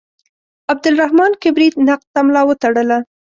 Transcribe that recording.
عبدالرحمان کبریت نقد ته ملا وتړله.